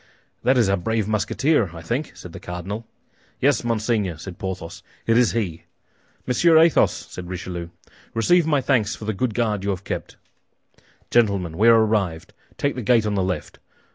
"That is our brave Musketeer, I think," said the cardinal. "Yes, monseigneur," said Porthos, "it is he." "Monsieur Athos," said Richelieu, "receive my thanks for the good guard you have kept. Gentlemen, we are arrived; take the gate on the left.